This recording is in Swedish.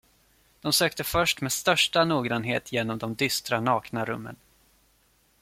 De sökte först med största noggrannhet igenom de dystra, nakna rummen.